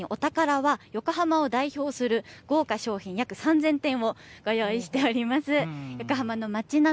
さらにお宝は横浜を代表する豪華商品、約３０００点をご用意しています。